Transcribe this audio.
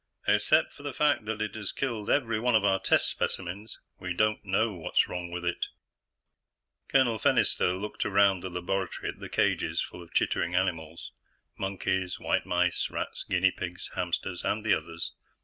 "Except for the fact that it has killed every one of our test specimens, we don't know what's wrong with it." Colonel Fennister looked around the laboratory at the cages full of chittering animals monkeys, white mice, rats, guinea pigs, hamsters, and the others.